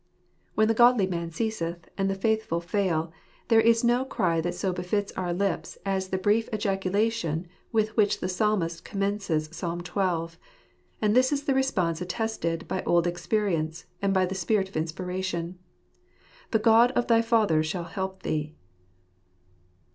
When the godly man ceaseth and the faithful fail, there is no cry that so befits our lips as the brief ejaculation with which the Psalmist commences Psalm xii. ; and this is the response attested by old experience, and by the spirit of inspiration :" The God of thy father shall help thee."